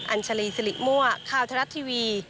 ัญชาลีสิริมั่วข้าวทะลัดทีวี